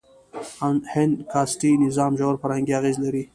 هند کاسټي نظام ژور فرهنګي اغېز لري.